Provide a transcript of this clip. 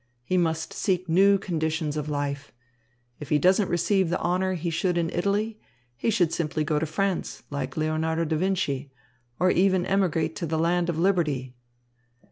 He must seek new conditions of life. If he doesn't receive the honour he should in Italy, he should simply go to France, like Leonardo da Vinci, or even emigrate to the land of liberty."